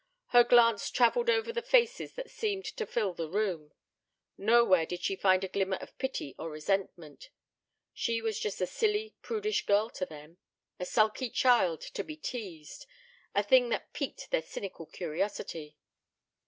Her glance travelled over the faces that seemed to fill the room. Nowhere did she find a glimmer of pity or resentment. She was just a silly, prudish girl to them; a sulky child to be teased; a thing that piqued their cynical curiosity.